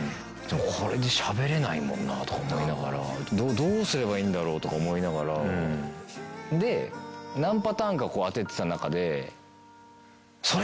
これでしゃべれないもんなとか思いながら、どうすればいいんだろうとか思いながら、で、なんパターンかあててた中で、それ！